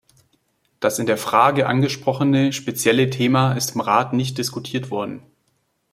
Das in der Frage angesprochene spezielle Thema ist im Rat nicht diskutiert worden.